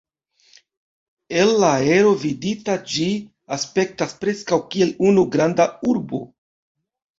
El la aero vidita ĝi aspektas preskaŭ kiel unu granda urbo.